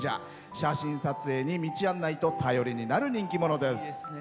写真撮影に道案内と頼りになる人気者です。